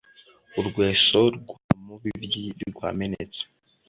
urweso rwa mubibyi rwamenetse